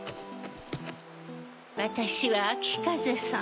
わたしはあきかぜさん。